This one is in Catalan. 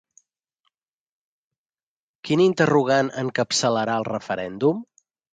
Quin interrogant encapçalarà el referèndum?